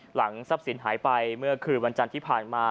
หลังทรัพย์สินหายไปเมื่อคืนวันจันทร์ที่ผ่านมา